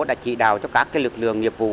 đã trị đào cho các lực lượng nghiệp vụ